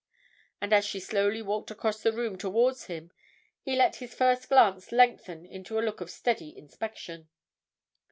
And as she slowly walked across the room towards him he let his first glance lengthen into a look of steady inspection.